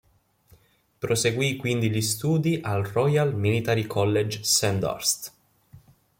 Proseguì quindi gli studi al Royal Military College Sandhurst.